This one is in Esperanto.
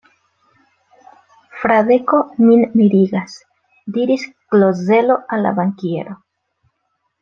Fradeko min mirigas, diris Klozelo al la bankiero.